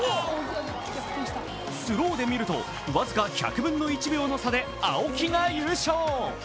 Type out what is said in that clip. スローで見ると、僅か１００分の１秒の差で青木が優勝。